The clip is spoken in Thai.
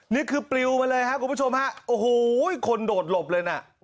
นี่คือปลิวมาเลยครับคุณผู้ชมฮะโอ้โหคนโดดหลบเลยนะ